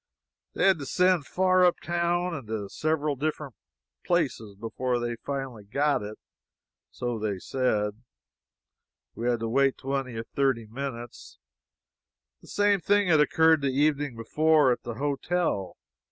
They had to send far up town, and to several different places before they finally got it, so they said. We had to wait twenty or thirty minutes. The same thing had occurred the evening before, at the hotel.